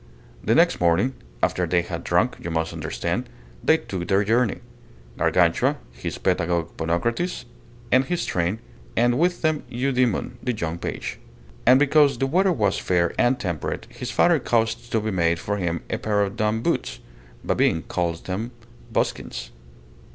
The next morning after they had drunk, you must understand they took their journey; Gargantua, his pedagogue Ponocrates, and his train, and with them Eudemon, the young page. And because the weather was fair and temperate, his father caused to be made for him a pair of dun boots, Babin calls them buskins.